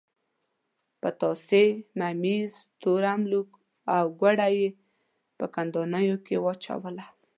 پتاسې، ممیز، تور املوک او ګوړه یې په کندانیو کې واچوله.